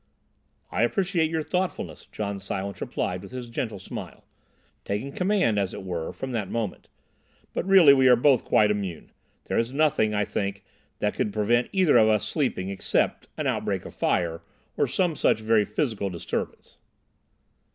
"I appreciate your thoughtfulness," John Silence replied with his gentle smile, taking command as it were from that moment, "but really we are both quite immune. There is nothing, I think, that could prevent either of us sleeping, except—an outbreak of fire, or some such very physical disturbance."